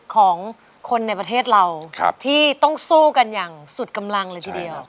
ของคนในประเทศเราที่ต้องสู้กันอย่างสุดกำลังเลยทีเดียว